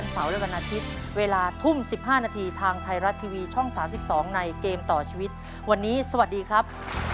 สวัสดีครับ